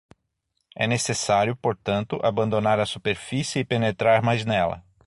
É necessário, portanto, abandonar a superfície e penetrar mais nela.